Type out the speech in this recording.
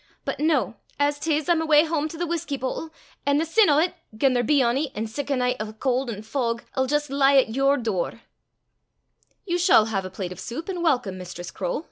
But noo, as 'tis, I'm awa hame to the whusky boatle, an' the sin o' 't, gien there be ony in sic a nicht o' caul' an' fog, 'ill jist lie at your door." "You shall have a plate of soup, and welcome, Mistress Croale!"